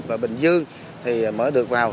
và bình dương thì mới được vào